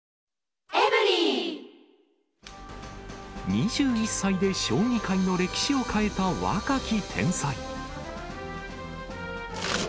２１歳で将棋界の歴史を変えた若き天才。